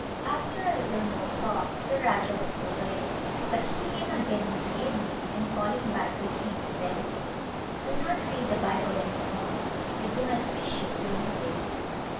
After a little more talk the Rajah went away, but he came again in the evening and calling Bai to him said, " Do not read the Bible any more. I do not wish you to read it."